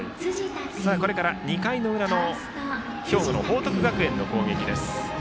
これから、２回の裏の兵庫の報徳学園の攻撃です。